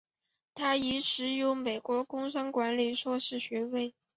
他亦持有美国工商管理硕士学位。